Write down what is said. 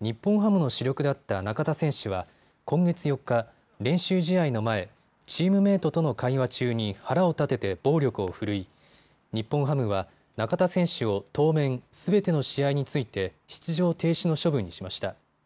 日本ハムの主力だった中田選手は今月４日、練習試合の前、チームメートとの会話中に腹を立てて暴力を振るい、日本ハムは中田選手を当面、すべての試合について出場停止の処分にしました。